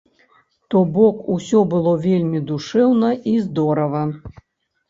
То бок усё было вельмі душэўна і здорава.